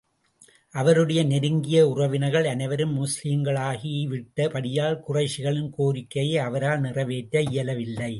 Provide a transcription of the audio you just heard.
அவருடைய நெருங்கிய உறவினர்கள் அனைவரும் முஸ்லிம்களாகி விட்ட படியால், குறைஷிகளின் கோரிக்கையை அவரால் நிறைவேற்ற இயலவில்லை.